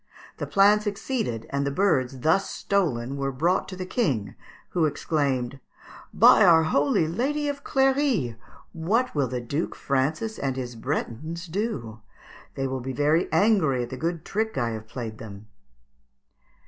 The plan succeeded, and the birds thus stolen were brought to the King, who exclaimed, "By our holy Lady of Cléry! what will the Duke Francis and his Bretons do? They will be very angry at the good trick I have played them."